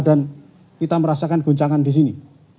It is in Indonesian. dan kita merasakan goncangan disini